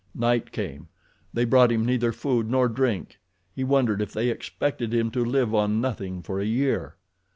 Night came. They brought him neither food nor drink. He wondered if they expected him to live on nothing for a year.